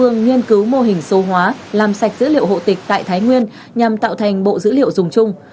nghiên cứu mô hình số hóa làm sạch dữ liệu hộ tịch tại thái nguyên nhằm tạo thành bộ dữ liệu dùng chung